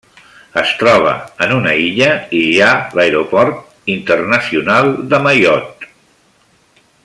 Es troba en una illa i hi ha l'aeroport internacional de Mayotte.